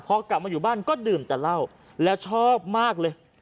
พอกลับมาอยู่บ้านก็ดื่มแต่เหล้าแล้วชอบมากเลย